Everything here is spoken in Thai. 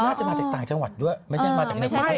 น่าจะมาจากต่างจังหวัดด้วยไม่ใช่มาจากในความเทียบ